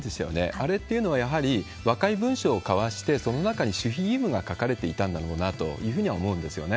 あれっていうのは、やはり和解文書を交わして、その中に守秘義務が書かれていたんだろうなというふうには思うんですよね。